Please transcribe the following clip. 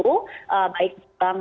baik di bank maupun di perbank